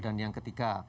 dan yang ketiga